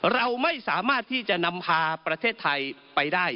เราไม่สามารถที่จะนำพาประเทศไทยไปได้